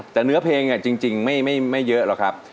แต่เนื้อเพลงจริงไม่เยอะหรอกครับ